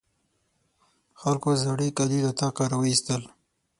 خلکو زاړې کالي له طاقه راواېستل.